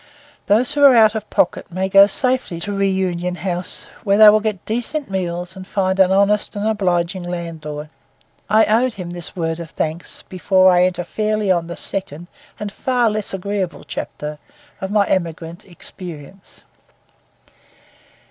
Those who are out of pocket may go safely to Reunion House, where they will get decent meals and find an honest and obliging landlord. I owed him this word of thanks, before I enter fairly on the second and far less agreeable chapter of my emigrant experience.